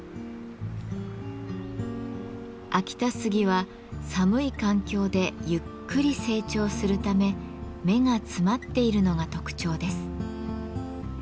秋田杉は寒い環境でゆっくり成長するため目が詰まっているのが特徴です。